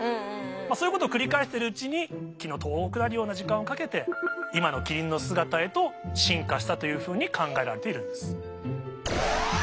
そういうことを繰り返してるうちに気の遠くなるような時間をかけて今のキリンの姿へと進化したというふうに考えられているんです。